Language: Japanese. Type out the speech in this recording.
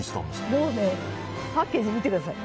もうパッケージを見てください。